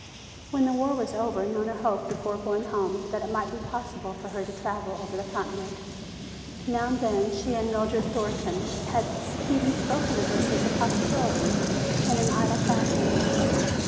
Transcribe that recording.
When the war was over Nona hoped before going home that it might be possible for her to travel over the continent. Now and then she and Mildred Thornton had even spoken of this as a possibility in an idle fashion.